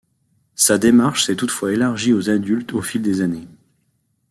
Sa démarche s’est toutefois élargie aux adultes au fil des années.